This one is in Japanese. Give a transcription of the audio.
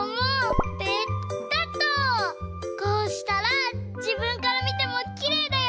こうしたらじぶんからみてもきれいだよ。